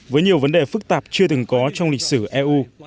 với nhiều vấn đề phức tạp chưa từng có trong lịch sử eu